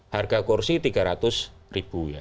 harga kursi rp tiga ratus